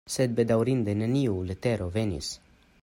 Sed, bedaŭrindege, neniu letero venis!